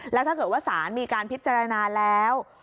แล้วถ้าเกิดว่าสารมีการพิจารณาแล้ว